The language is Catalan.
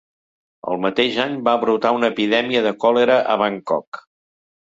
El mateix any va brotar una epidèmia de còlera a Bangkok.